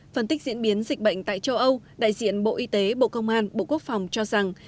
phân tích diễn biến dịch bệnh tại châu âu đại diện bộ y tế bộ công an bộ quốc phòng cho rằng